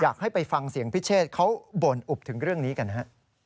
อยากให้ไปฟังเสียงพิเชษเขาบ่นอุบถึงเรื่องนี้กันนะฮะ